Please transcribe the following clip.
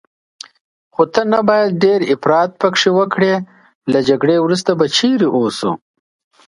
خو ته نه باید ډېر افراط پکې وکړې، له جګړې وروسته به چیرې اوسو؟